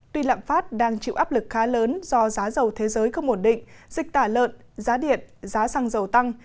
tuy lạm phát đang chịu áp lực khá lớn do giá dầu thế giới không ổn định dịch tả lợn giá điện giá xăng dầu tăng